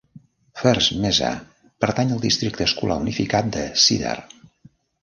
First Mesa pertany al districte escolar unificat de Cedar.